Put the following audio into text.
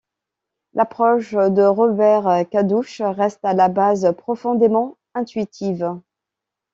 L'approche de Robert Kaddouch reste, à la base, profondément intuitive.